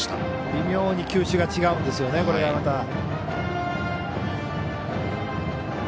微妙に球種が違うんですよね、これがまた。